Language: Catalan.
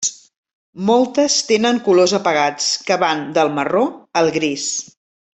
Moltes tenen colors apagats, que van del marró al gris.